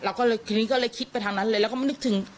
ทีนี้ก็เลยคิดไปทางนั้นเลยแล้วก็ไม่นึกถึง